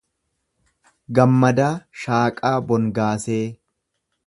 Gammadaa Shaaqaa Bongaasee